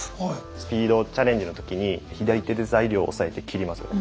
スピードチャレンジの時に左手で材料を押さえて切りますよね。